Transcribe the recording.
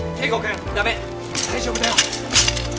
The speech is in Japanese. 大丈夫だよ。